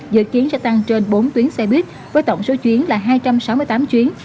dự kiến sẽ tăng trên bốn tuyến xe buýt với tổng số chuyến là hai trăm sáu mươi tám chuyến